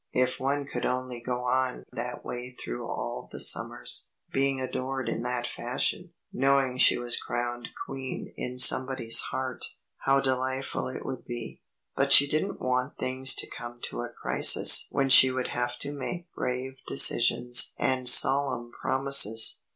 If one could only go on that way through all the summers, being adored in that fashion, knowing she was crowned queen in somebody's heart, how delightful it would be. But she didn't want things to come to a crisis when she would have to make grave decisions and solemn promises.